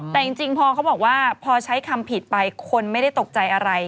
แต่จริงพอเขาบอกว่าพอใช้คำผิดไปคนไม่ได้ตกใจอะไร